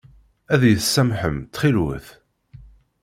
Ad iyi-tsamḥem ttxil-wet?